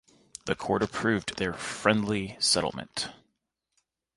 The Court approved their "friendly settlement".